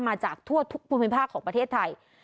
มาจากทั่วทุกภูมิภาคของประเทศไทย